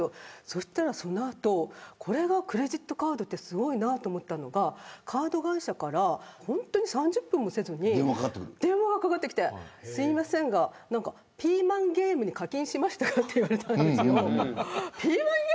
そうしたら、その後クレジットカードってすごいなと思ったのがカード会社から３０分もせずに電話がかかってきてすみませんが、ピーマンゲームに課金しましたかって言われたんです。